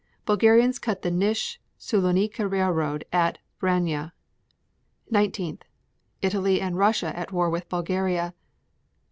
Bulgarians cut the Nish Sulonika railroad at Vranja. 19. Italy and Russia at war with Bulgaria. 22.